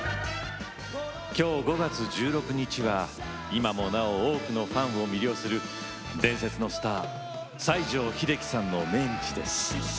今日５月１６日は今もなお多くのファンを魅了する伝説のスター西城秀樹さんの命日です。